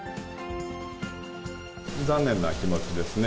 残念な気持ちですね。